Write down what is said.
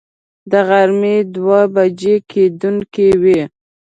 د غرمې دوه بجې کېدونکې وې.